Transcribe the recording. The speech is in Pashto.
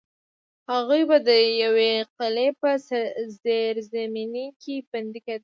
هغوی به د یوې قلعې په زیرزمینۍ کې بندي کېدل.